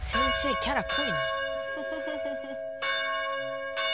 キャラ濃いな。